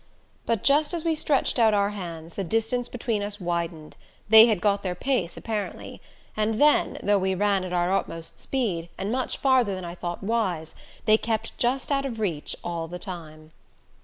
But just as we stretched out our hands, the distance between us widened; they had got their pace apparently, and then, though we ran at our utmost speed, and much farther than I thought wise, they kept just out of reach all the time.